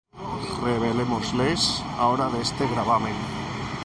relevémosles ahora de este gravamen.